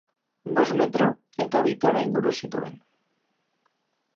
Bost metro eta bi tona inguru zituen.